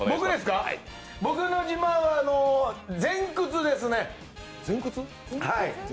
僕の自慢は、前屈ですね。